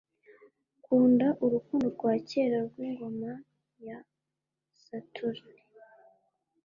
Kunda urukundo rwa kera rw'ingoma ya Saturne